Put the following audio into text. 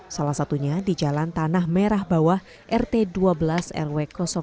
salah satunya di jalan tanah merah bawah rt dua belas rw satu